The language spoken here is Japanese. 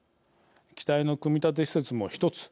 機体の組み立て施設も１つ。